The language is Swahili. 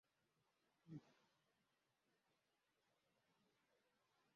kitendo cha kuongezeka kwa misamiati na idadi